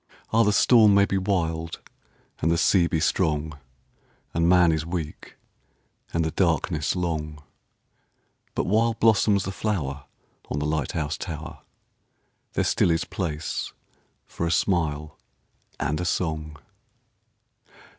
Ah, the storm may be wild and the sea be strong, And man is weak and the darkness long, But while blossoms the flower on the light house tower There still is place for a smile and a song.